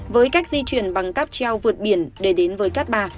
với cách di chuyển bằng cáp treo vượt biển để đến với cát bà